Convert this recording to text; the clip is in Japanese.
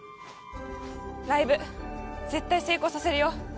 ライブ絶対成功させるよ。